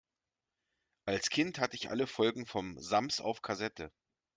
Als Kind hatte ich alle Folgen vom Sams auf Kassette.